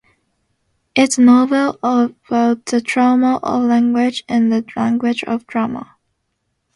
It's a novel about the trauma of language and the language of trauma.